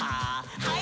はい。